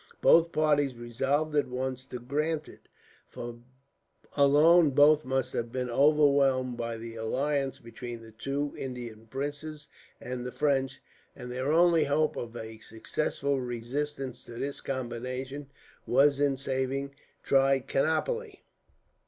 Both parties resolved at once to grant it, for alone both must have been overwhelmed by the alliance between the two Indian princes and the French; and their only hope of a successful resistance to this combination was in saving Trichinopoli.